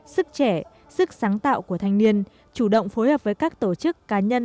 sức trẻ sức sáng tạo của thanh niên chủ động phối hợp với các tổ chức cá nhân